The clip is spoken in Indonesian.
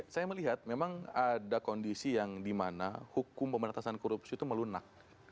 saya melihat memang ada kondisi yang dimana hukum pemerintahan korupsi itu melunak